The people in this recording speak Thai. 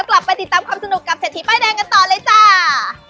กลับไปติดตามความสนุกกับเศรษฐีป้ายแดงกันต่อเลยจ้า